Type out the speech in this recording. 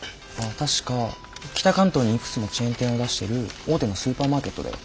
確か北関東にいくつもチェーン店を出してる大手のスーパーマーケットだよ。